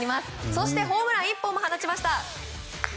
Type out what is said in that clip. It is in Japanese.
そしてホームランも１本放ちました。